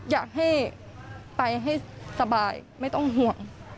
อยากให้ไปให้สบายไม่ต้องห่วง